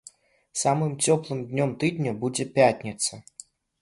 Самым цёплым днём тыдня будзе пятніца.